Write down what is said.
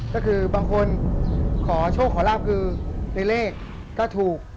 ก็คือบางคนขอโชคขอลาบคือในเลขก็ถูก